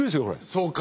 そうか！